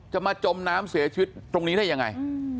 จะมาจมน้ำเสียชีวิตตรงนี้ได้ยังไง